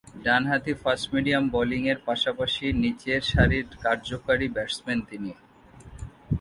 ডানহাতে ফাস্ট-মিডিয়াম বোলিংয়ের পাশাপাশি নিচের সারির কার্যকরী ব্যাটসম্যান তিনি।